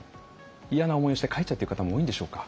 嫌な思いをして帰っちゃうという方も多いんでしょうか。